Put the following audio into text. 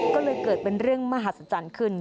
ก็เลยเกิดเป็นเรื่องมหัศจรรย์ขึ้น